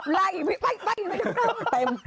ไล่ไปไปไป